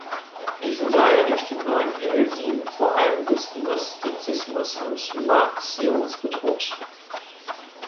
Diesen sah er durch die neuen Häresien vor allem des Gnostizismus und Marcions bedroht.